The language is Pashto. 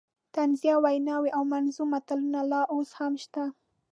طنزیه ویناوې او منظوم متلونه لا اوس هم شته.